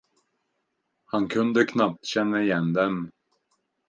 Han kunde knappt känna igen dem.